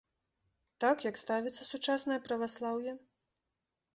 Так, як ставіцца сучаснае праваслаўе?